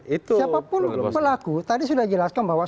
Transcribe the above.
siapapun pelaku tadi sudah dijelaskan bahwa